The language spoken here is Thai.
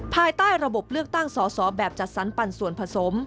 ภายใต้ระบบเลือกตั้งสอสอแบบจัดสรรปันส่วนผสม